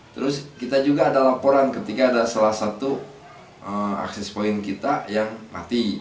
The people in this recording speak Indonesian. terus kita juga ada laporan ketika ada salah satu akses point kita yang mati